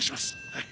はい。